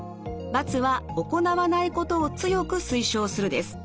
×は行わないことを強く推奨するです。